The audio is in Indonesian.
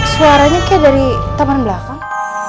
suaranya kayak dari taman belakang